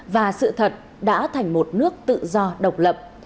và sự thật đã thành một nước tự do độc lập